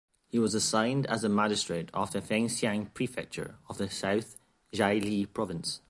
He was assigned as the magistrate of the Fengxiang Prefecture of the South Zhili Province.